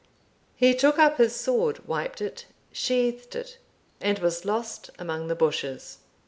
He took up his sword, wiped it, sheathed it, and was lost among the bushes.